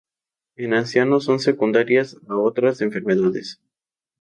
En ancianos son secundarias a otras enfermedades.